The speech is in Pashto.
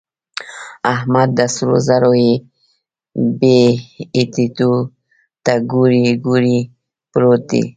احمد د سرو زرو بيې ټيټېدو ته کوړۍ کوړۍ پروت دی.